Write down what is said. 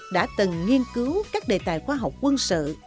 đã từng nghiên cứu các đề tài khoa học quân sự